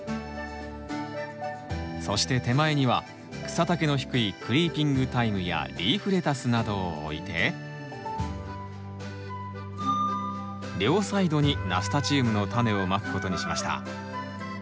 そして手前には草丈の低いクリーピングタイムやリーフレタスなどを置いて両サイドにナスチウムのタネをまく事にしました。